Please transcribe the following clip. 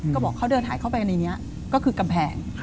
ก็บอกเขาเดินหายเข้าไปในนี้ก็คือกำแพง